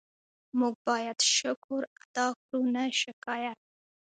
موږ باید شکر ادا کړو، نه شکایت.